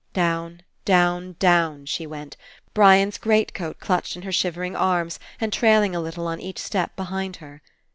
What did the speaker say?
Down, down, down, she went, Brian's great coat clutched in her shivering arms and trailing a little on each step behind her.